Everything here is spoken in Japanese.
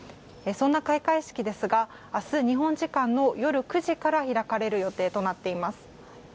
そんな開会式ですが明日、日本時間の夜９時から開かれる予定となっています。